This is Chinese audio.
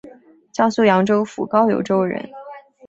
江苏扬州府高邮州人。